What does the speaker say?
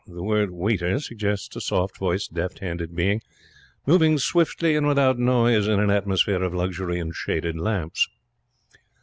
The word 'waiter' suggests a soft voiced, deft handed being, moving swiftly and without noise in an atmosphere of luxury and shaded lamps.